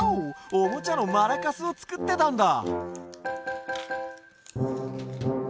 おもちゃのマラカスをつくってたんだ？